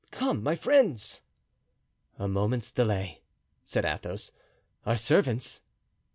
Come, my friends." "A moment's delay," said Athos; "our servants?"